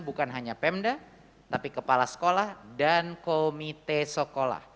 bukan hanya pemda tapi kepala sekolah dan komite sekolah